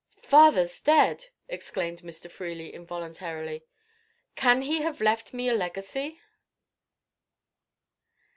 "Father's dead!" exclaimed Mr. Freely, involuntarily. "Can he have left me a legacy?"